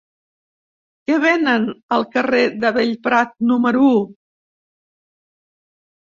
Què venen al carrer de Bellprat número u?